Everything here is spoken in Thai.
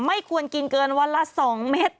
ไม่ควรกินเกินวันละ๒เม็ด